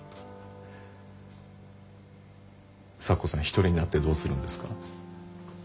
一人になってどうするんですか？